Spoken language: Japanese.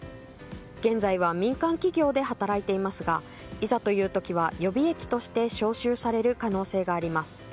現在は民間企業で働いていますがいざという時は予備役として招集される可能性があります。